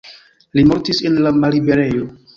Li mortis en la malliberejo.